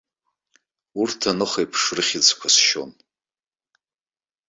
Урҭ аныхеиԥш рыхьыӡқәа сшьон.